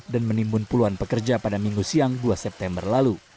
dan menimbun puluhan pekerja pada minggu siang dua september lalu